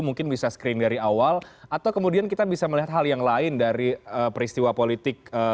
mungkin bisa screen dari awal atau kemudian kita bisa melihat hal yang lain dari peristiwa politik